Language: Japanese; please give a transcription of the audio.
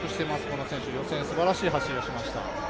この選手予選、すばらしい走りをしました。